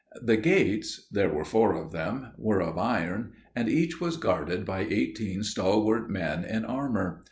The gates (there were four of them) were of iron, and each was guarded by eighteen stalwart men in armour.